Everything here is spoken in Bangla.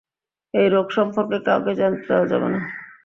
এই রোগ সম্পর্কে কাউকে জানতে দেওয়া যাবে না।